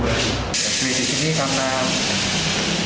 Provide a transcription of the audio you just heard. saya lebih suka yang baru